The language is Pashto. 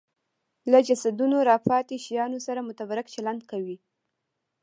له جسدونو راپاتې شیانو سره متبرک چلند کوي